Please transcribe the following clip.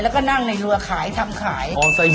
แล้วก็นั่งในรัวขายทำขาย